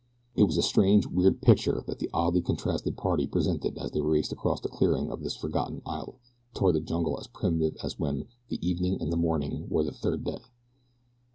It was a strange, weird picture that the oddly contrasted party presented as they raced across the clearing of this forgotten isle toward a jungle as primitive as when "the evening and the morning were the third day."